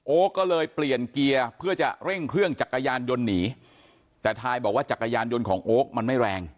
ก็เลยเปลี่ยนเกียร์เพื่อจะเร่งเครื่องจักรยานยนต์หนีแต่ทายบอกว่าจักรยานยนต์ของโอ๊คมันไม่แรง